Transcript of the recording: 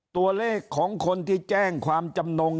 ตัวเลขของคนที่แจ้งความจำนง